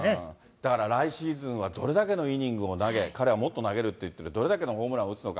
だから来シーズンはどれだけのイニングを投げ、彼はもっと投げるって言ってて、どれだけのホームランを打つのか。